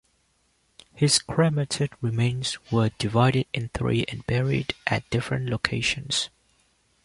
His cremated remains were divided in three and buried at different locations.